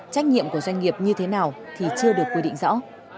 trách nhiệm của doanh nghiệp như thế nào thì chưa được quy định rõ